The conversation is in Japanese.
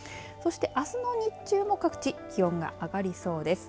あすの日中も各地気温が上がりそうです。